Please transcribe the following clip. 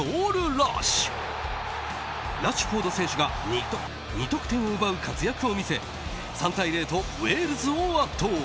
ラシュフォード選手が２得点を奪う活躍を見せ３対０とウェールズを圧倒。